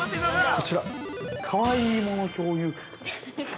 ◆こちら、かわいいもの共有会。